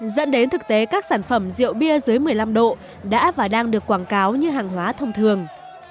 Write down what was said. dẫn đến thực tế các sản phẩm rượu bia dưới một mươi năm độ đã và đang được quảng cáo như hàng hóa thông thường